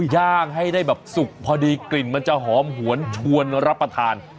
ย่างให้ได้แบบสุกพอดีกลิ่นมันจะหอมหวนชวนรับประทาน